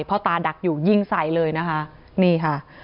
พ่อตาดักอยู่ยิงใส่เลยนะคะนี่ค่ะ